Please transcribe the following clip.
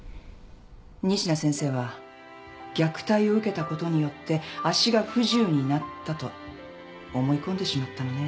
西名先生は虐待を受けたことによって足が不自由になったと思い込んでしまったのね。